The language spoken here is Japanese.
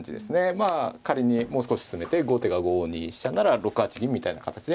まあ仮にもう少し進めて後手が５二飛車なら６八銀みたいな形で。